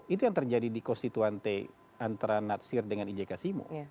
itu yang terjadi di konstituante antara natsir dengan ijk simo